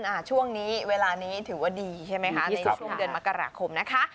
ช่วงนี้เวลานี้ถือว่าดีใช่ไหมคะในช่วงเดือนมกราคมนะคะ